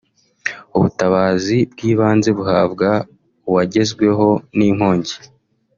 ubutabazi bw’ibanze buhabwa uwagezweho n’inkongi